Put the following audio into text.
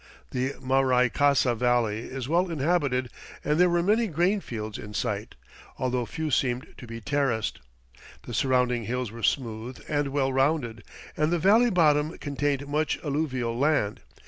The Maraicasa Valley is well inhabited and there were many grain fields in sight, although few seemed to be terraced. The surrounding hills were smooth and well rounded and the valley bottom contained much alluvial land.